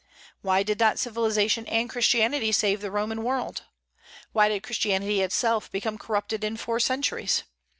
Why did not civilization and Christianity save the Roman world? Why did Christianity itself become corrupted in four centuries?